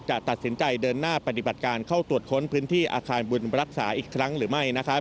จะตัดสินใจเดินหน้าปฏิบัติการเข้าตรวจค้นพื้นที่อาคารบุญรักษาอีกครั้งหรือไม่